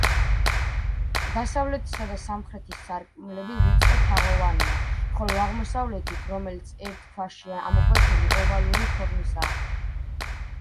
დასავლეთისა და სამხრეთის სარკმლები ვიწრო თაღოვანია, ხოლო აღმოსავლეთით, რომელიც ერთ ქვაშია ამოკვეთილი, ოვალური ფორმისაა.